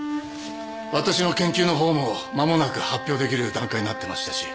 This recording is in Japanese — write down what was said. わたしの研究の方も間もなく発表できる段階になってましたし